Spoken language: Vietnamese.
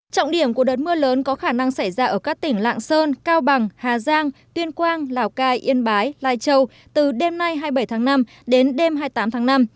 trọng điểm của đợt mưa lớn có khả năng xảy ra ở các tỉnh lạng sơn cao bằng hà giang tuyên quang lào cai yên bái lai châu từ đêm nay hai mươi bảy tháng năm đến đêm hai mươi tám tháng năm